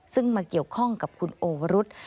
ซึ่งมาเกี่ยวข้องกับคุณโอวรุษ